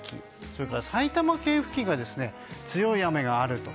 それから埼玉県付近が強い雨があると。